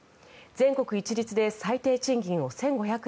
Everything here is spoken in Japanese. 全国一律で最低賃金を１５００円に。